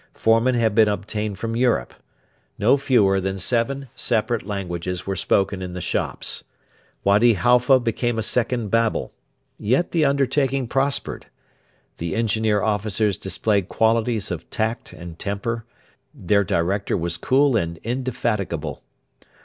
Foremen had been obtained from Europe. No fewer than seven separate languages were spoken in the shops. Wady Halfa became a second Babel. Yet the undertaking prospered. The Engineer officers displayed qualities of tact and temper: their director was cool and indefatigable.